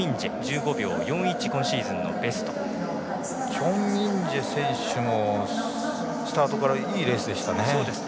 チョン・ミンジェ選手もスタートからいいレースでしたね。